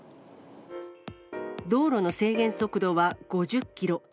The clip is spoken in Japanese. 道路の制限速度は５０キロ。